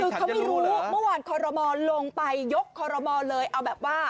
คือเขาไม่รู้เมื่อวานคอรมอลลงไปยกคอรมอลเลยเอาแบบว่า